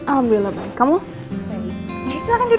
aku udah seaimer sampai